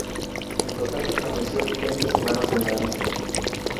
En total permaneció veinte semanas en la lista.